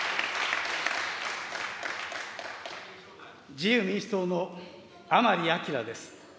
自由民主党の甘利明です。